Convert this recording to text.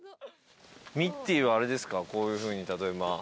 ミッティはあれですかこういうふうに例えば。